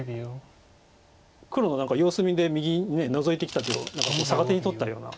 黒の様子見で右にノゾいてきた手を何か逆手に取ったような。